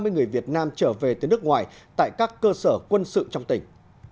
bảy trăm ba mươi người việt nam trở về tới nước ngoài tại các cơ sở quân sự trong tỉnh